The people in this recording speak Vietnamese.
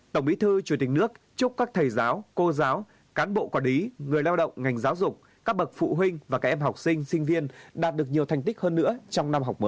tổng bí thư chủ tịch nước chúc các thầy giáo cô giáo cán bộ quản lý người lao động ngành giáo dục các bậc phụ huynh và các em học sinh sinh viên đạt được nhiều thành tích hơn nữa trong năm học mới